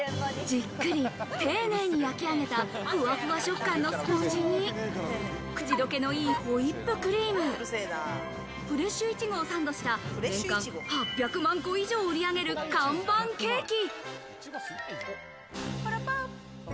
じっくり丁寧に焼き上げたふわふわ食感のスポンジに、口どけの良いホイップクリーム、フレッシュイチゴをサンドした、年間８００万個以上売り上げる看板ケーキ。